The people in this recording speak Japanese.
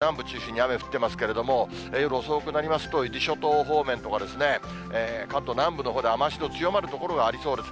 時間進めて今夜の予想を見てみますと、しばらく南部中心に雨が降ってますけれども、夜遅くなりますと、伊豆諸島方面とか、関東南部のほうで雨足の強まる所がありそうです。